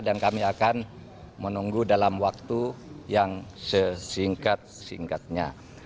dan kami akan menunggu dalam waktu yang sesingkat singkatnya